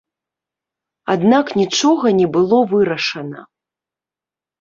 Аднак нічога не было вырашана.